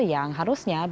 yang harusnya dilakukan